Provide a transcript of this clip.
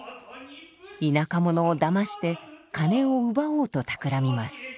田舎者をだまして金を奪おうとたくらみます。